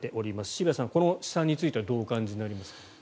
渋谷さん、この試算についてはどうお感じになりますか？